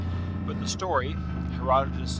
But the story [Herodotus, iii.